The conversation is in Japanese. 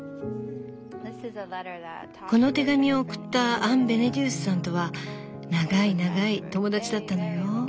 この手紙を送ったアン・ベネデュースさんとは長い長い友だちだったのよ。